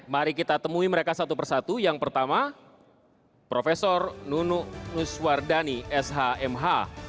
mari kita temui mereka satu satu yang pertama prof nunu nuswardhani shmh